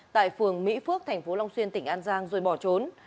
tại phường mỹ phước thành phố long xuyên tỉnh an giang rồi bỏ trốn